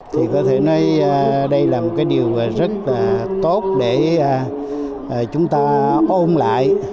thì có thể nói đây là một cái điều rất là tốt để chúng ta ôm lại